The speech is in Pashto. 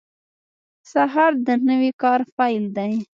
سهار د نوي کار پیل دی.